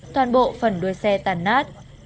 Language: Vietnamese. toàn bộ phần đuôi xe tàn nát